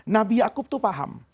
nabi yaakub itu paham